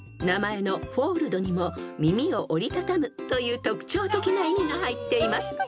［名前のフォールドにも「耳を折りたたむ」という特徴的な意味が入っています］